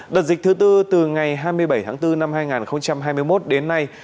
đợt dịch thứ tư từ ngày hai mươi bảy tháng bốn năm hai nghìn hai mươi một đến nay